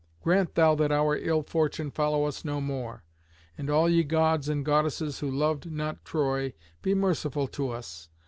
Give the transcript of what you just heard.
Grant thou that our ill fortune follow us no more. And all ye Gods and Goddesses who loved not Troy, be merciful to us.